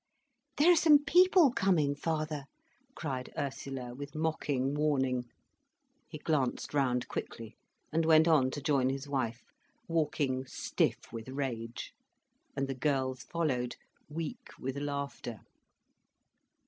"There are some people coming, father," cried Ursula, with mocking warning. He glanced round quickly, and went on to join his wife, walking stiff with rage. And the girls followed, weak with laughter.